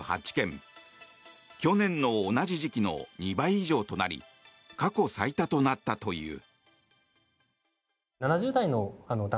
去年の同じ時期の２倍以上となり過去最多となったという。